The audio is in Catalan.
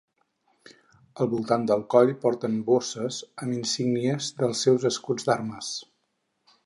Al voltant del coll porten bosses amb insígnies dels seus escuts d'armes.